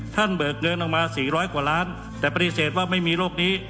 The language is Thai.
เบิกเงินออกมา๔๐๐กว่าล้านแต่ปฏิเสธว่าไม่มีโรคนี้